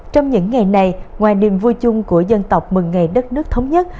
trong những ngày này ngoài niềm vui chung của dân tộc mừng ngày đất nước thống nhất